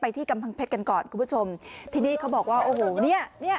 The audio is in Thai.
ที่กำแพงเพชรกันก่อนคุณผู้ชมที่นี่เขาบอกว่าโอ้โหเนี่ย